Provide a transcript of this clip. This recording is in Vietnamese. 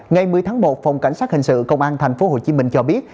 ngày một mươi tháng một phòng cảnh sát hình sự công an tp hcm cho biết